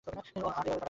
আর এভাবে দাঁড়াবে।